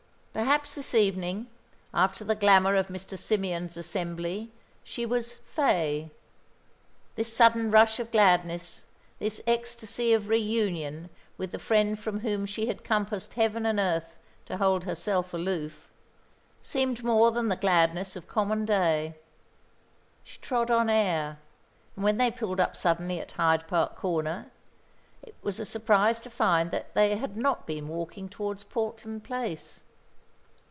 Perhaps this evening, after the glamour of Mr. Symeon's assembly, she was "fey." This sudden rush of gladness, this ecstasy of reunion with the friend from whom she had compassed heaven and earth to hold herself aloof, seemed more than the gladness of common day. She trod on air; and when they pulled up suddenly at Hyde Park Comer, it was a surprise to find that they had not been walking towards Portland Place.